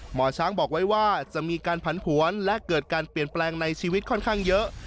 หมอช้างบอกไว้ว่าจะมีการผันผวนและเกิดการเปลี่ยนแปลงในชีวิตค่อนข้างเยอะ